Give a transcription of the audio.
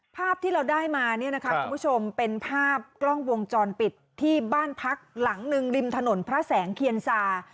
ภาพที่เราได้มาเนี่ยนะคะคุณผู้ชมเป็นภาพกล้องวงจรปิดที่บ้านพักหลังหนึ่งริมถนนพระแสงเคียนซา